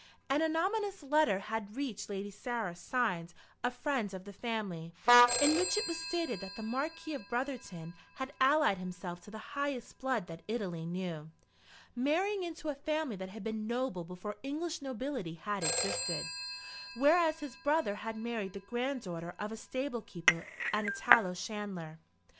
An anonymous letter had reached Lady Sarah, signed, "A Friend of the Family," in which it was stated that the Marquis of Brotherton had allied himself to the highest blood that Italy knew, marrying into a family that had been noble before English nobility had existed, whereas his brother had married the granddaughter of a stable keeper and a tallow chandler.